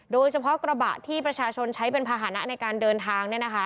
กระบะที่ประชาชนใช้เป็นภาษณะในการเดินทาง